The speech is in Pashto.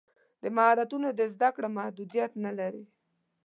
د مهارتونو زده کړه محدودیت نه لري.